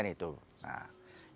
maka kita melakukan bantuan